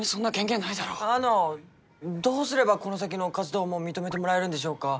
あのどうすればこの先の活動も認めてもらえるんでしょうか？